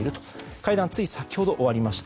会談はつい先ほど終わりました。